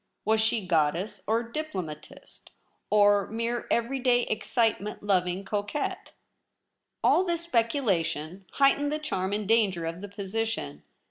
Was she goddess or diplomatist, or mere every day excitement loving coquette ? All this speculation heightened the charm and danger of the position.